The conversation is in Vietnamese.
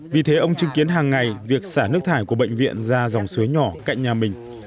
vì thế ông chứng kiến hàng ngày việc xả nước thải của bệnh viện ra dòng suối nhỏ cạnh nhà mình